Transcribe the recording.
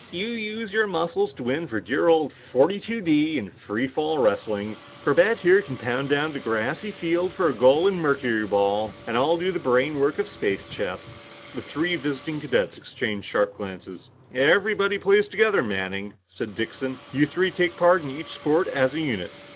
"You use your muscles to win for dear old 42 D in free fall wrestling. Corbett here can pound down the grassy field for a goal in mercuryball, and I'll do the brainwork of space chess." The three visiting cadets exchanged sharp glances. "Everybody plays together, Manning," said Dixon. "You three take part in each sport as a unit."